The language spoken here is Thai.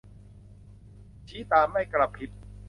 ชี้ตาไม่กระพริบ